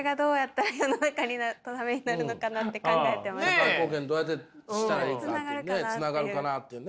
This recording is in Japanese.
社会貢献どうやってしたらいいかってねつながるかなっていうね。